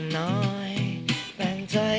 ขอบคุณค่ะ